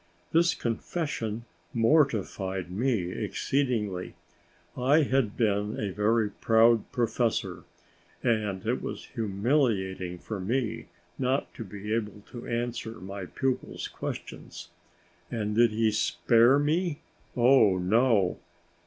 This confession mortified me exceedingly. I had been a very proud professor, and it was humiliating for me not to be able to answer my pupil's questions. And he did not spare me, oh, no!